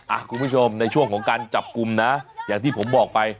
คุณผู้ชมในช่วงของการจับกลุ่มนะอย่างที่ผมบอกไป